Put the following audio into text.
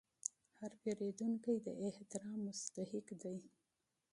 هر پیرودونکی د احترام مستحق دی.